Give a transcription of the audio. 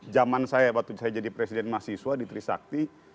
zaman saya waktu saya jadi presiden mahasiswa di trisakti